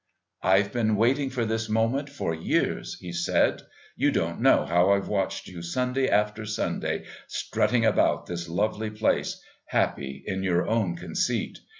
"I've been waiting for this moment for years," he said; "you don't know how I've watched you Sunday after Sunday strutting about this lovely place, happy in your own conceit.